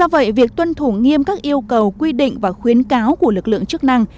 và tuân thủ nghiêm các yêu cầu quy định và khuyến cáo của lực lượng chức năng